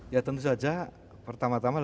ya tentu saja pertama tama